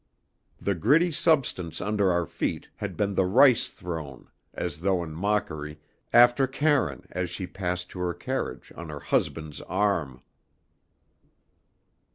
The gritty substance under our feet had been the rice thrown, as though in mockery, after Karine as she passed to her carriage on her husband's arm.